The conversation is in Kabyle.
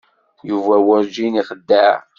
Yuba werǧin ixeddeɛ.